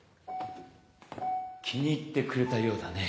気に入ってくれたようだね。